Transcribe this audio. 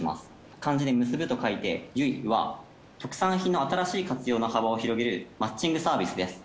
漢字で「結ぶ」と書いて「ゆい」は特産品の新しい活用の幅を広げるマッチングサービスです。